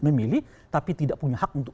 memilih tapi tidak punya hak untuk